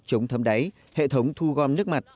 chống thấm đáy hệ thống thu gom nước mặt